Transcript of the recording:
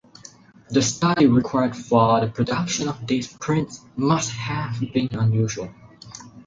The study required for the production of these prints must have been unusual.